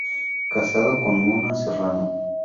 Casado con Mona Serrano.